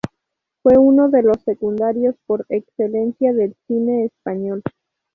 Fue uno de los secundarios por excelencia del cine español.